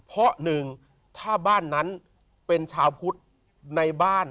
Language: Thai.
เพราะหนึ่งถ้าบ้านนั้นเป็นชาวพุทธในบ้าน